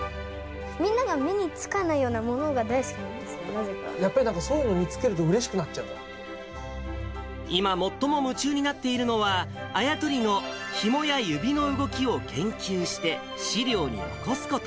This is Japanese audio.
みんなが目につかないようなものが大好きなんですよ、やっぱりそういうのを見つけ今、最も夢中になっているのは、あや取りのひもや指の動きを研究して資料に残すこと。